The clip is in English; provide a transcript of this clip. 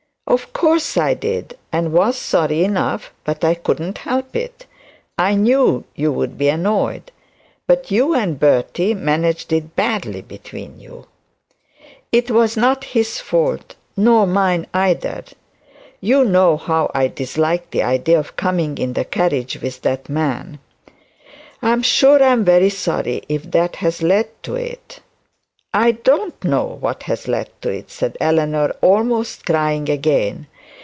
'Of course I did and was sorry enough; but I could not help it. I knew you would be annoyed. But you and Bertie managed it badly between you.' 'It was not his fault nor mine either. You know how I dislike the idea of coming in the carriage with that man.' 'I am sure I am very sorry if that has led to it.' 'I don't know what has led to it,' said Eleanor, almost crying again.